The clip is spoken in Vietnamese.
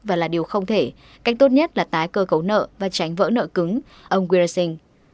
và là điều không thể cách tốt nhất là tái cơ cấu nợ và tránh vỡ nợ cứng ông griersing